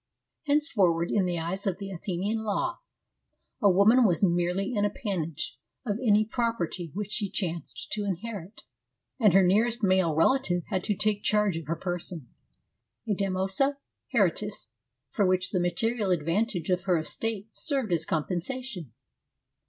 Henceforward, in the eyes of the Athenian law, a woman was merely an appanage of any property which she chanced to inherit, and her nearest male relative had to take charge of her person — a damnosa hereditas for which the material advantages of her estate served as compensation.